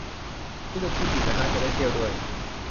นี่คิดอยู่นะฮะ จะได้เที่ยวด้วย